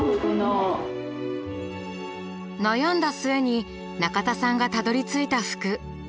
悩んだ末に中田さんがたどりついた服。